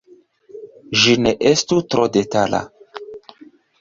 Ĝi ne estu tro detala.